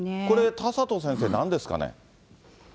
これ、田里先生、なんですかね。